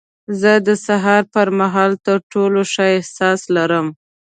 زه د سهار پر مهال تر ټولو ښه احساس لرم.